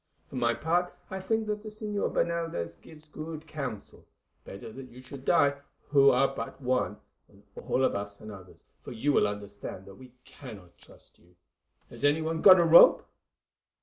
For my part, I think that the Señor Bernaldez gives good counsel. Better that you should die, who are but one, than all of us and others, for you will understand that we cannot trust you. Has any one got a rope?"